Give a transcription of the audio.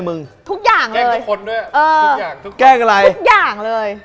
ทุกอย่างเลย